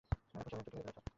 তুমি সেবার একজনকে মেরে ফেলেছ।